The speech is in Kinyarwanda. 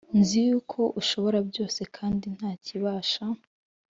nzi yuko ushobora byose kandi nta kibasha